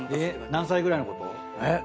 何歳ぐらいのこと？